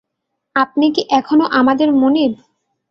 আপনি কি এখনও আমাদের মনিব?